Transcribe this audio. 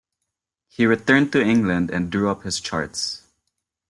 He returned to England and drew up his charts.